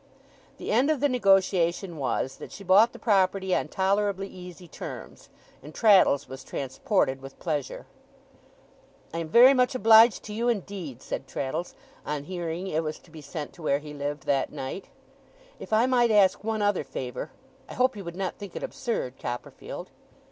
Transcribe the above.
The end of the negotiation was, that she bought the property on tolerably easy terms, and Traddles was transported with pleasure. 'I am very much obliged to you, indeed,' said Traddles, on hearing it was to be sent to where he lived, that night. 'If I might ask one other favour, I hope you would not think it absurd, Copperfield?